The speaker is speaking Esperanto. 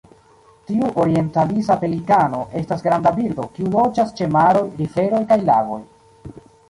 Tiu orientalisa pelikano estas granda birdo, kiu loĝas ĉe maroj, riveroj kaj lagoj.